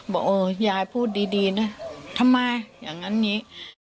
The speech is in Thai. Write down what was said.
บอกโอ๊ยยายพูดดีนะทำไมอย่างนั้นนี้